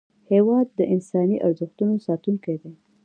هېواد د انساني ارزښتونو ساتونکی دی.